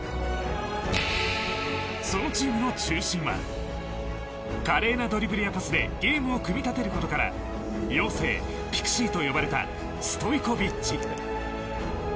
そのチームの中心は華麗なドリブルやパスでゲームを組み立てることから妖精、ピクシーと呼ばれたストイコヴィッチ。